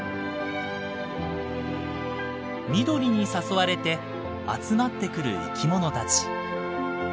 緑に誘われて集まってくる生き物たち。